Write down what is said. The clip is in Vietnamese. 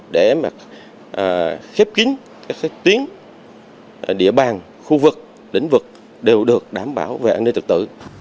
để khép kín các tuyến địa bàn khu vực lĩnh vực đều được đảm bảo về an ninh trật tự